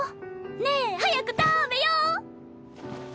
ねえ早く食べよ！